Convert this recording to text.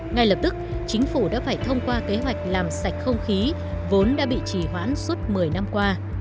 ngay lập tức chính phủ đã phải thông qua kế hoạch làm sạch không khí vốn đã bị trì hoãn suốt một mươi năm qua